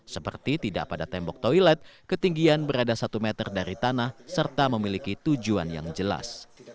seperti tidak pada tembok toilet ketinggian berada satu meter dari tanah serta memiliki tujuan yang jelas